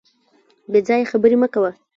بې ځایه خبري مه کوه .